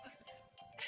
saya bantu datuk